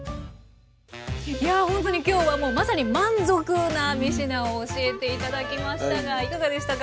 いやほんとに今日はまさに「まんぞく」な３品を教えて頂きましたがいかがでしたか？